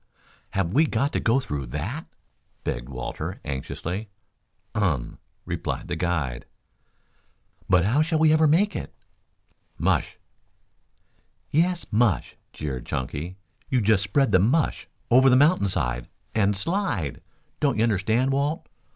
"Have we got to go through that?" begged Walter anxiously. "Um," replied the guide. "But how shall we ever make it?" "Mush." "Yes, mush," jeered Chunky. "You just spread the mush over the mountain side and slide. Don't you understand, Walt?